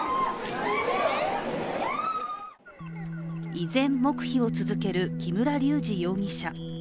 依然、黙秘を続ける木村隆二容疑者。